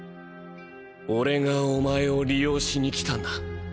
俺がおまえを利用しに来たんだ。